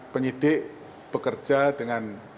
penyidik bekerja dengan